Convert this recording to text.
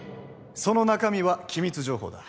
その中身は機密情報だ。